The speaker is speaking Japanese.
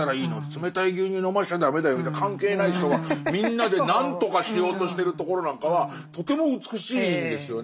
冷たい牛乳飲ましちゃ駄目だよみたいな関係ない人がみんなで何とかしようとしてるところなんかはとても美しいんですよね。